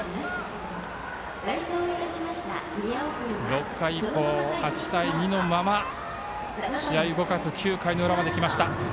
６回以降、８対２のまま試合動かず９回の裏まできました。